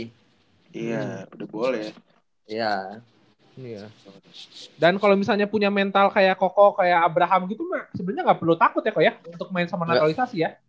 nah kalo orang bangka yang biasanya punya mental kayak koko kayak abraham gitu mah sebenernya ga perlu takut ya kok ya untuk main sama naturalisasi ya